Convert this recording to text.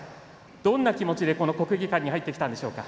どんな気持ちでこの国技館に入ってきたんでしょうか。